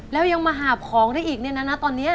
แล้วยังมาหาบของได้อีกเนี่ยนะตอนนี้